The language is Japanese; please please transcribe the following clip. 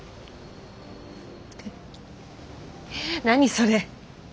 何それ。